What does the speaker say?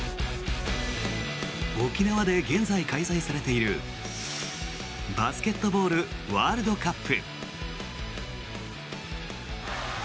沖縄で現在開催されているバスケットボールワールドカップ。